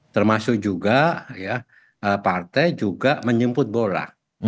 termasuk juga partai juga menjemput bola